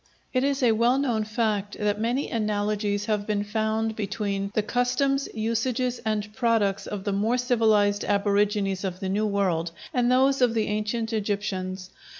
It is a well known fact that many analogies have been found between the customs, usages, and products of the more civilized aborigines of the New World and those of the ancient Egyptians.